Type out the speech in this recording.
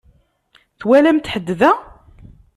Twalamt ḥedd da?